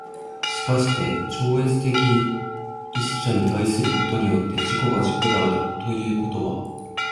しかして超越的一者に対することによって自己が自己であるということは、